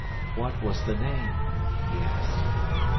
"What was the name?" he asked.